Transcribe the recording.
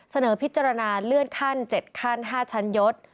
เสนอพิจารณาเลื่อนขั้น๗ขั้น๕ชั้นยศ